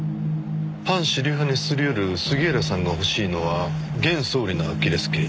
反主流派にすり寄る杉原さんが欲しいのは現総理のアキレス腱。